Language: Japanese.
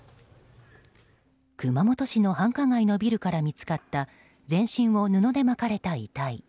熊本市の繁華街のビルから見つかった全身を布で巻かれた遺体。